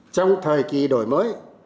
trong thời kỳ đổi mới